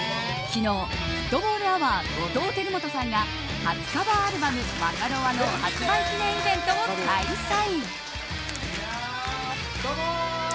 昨日、フットボールアワー後藤輝基さんが初カバーアルバム「マカロワ」の発売記念イベントを開催。